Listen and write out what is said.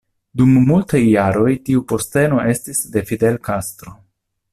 Dum multaj jaroj tiu posteno estis de Fidel Castro.